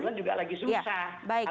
karena negara kecilnya juga lagi susah